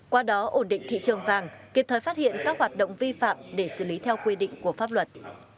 qua đó ổn định thị trường vàng kịp thời phát hiện các hoạt động vi phạm để xử lý theo quy định của pháp luật